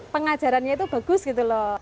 pengajarannya itu bagus gitu loh